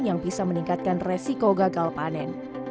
yang bisa meningkatkan resiko gagal panen